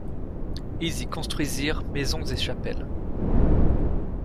Ils y construisirent maisons et chapelle.